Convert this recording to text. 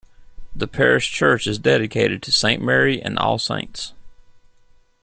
The parish church is dedicated to St Mary and All Saints.